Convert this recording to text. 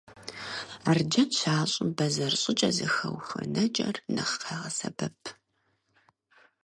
Арджэн щащӏым, бэзэр щӏыкӏэ зэхэухуэнэкӏэр нэхъ къагъэсэбэп.